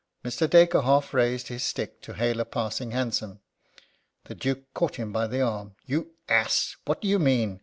Mr. Dacre half raised his stick to hail a passing hansom. The Duke caught him by the arm. "You ass! What do you mean?